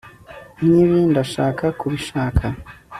nkibi ndashaka kubishaka